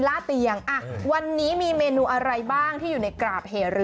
ข้างบัวแห่งสันยินดีต้อนรับทุกท่านนะครับ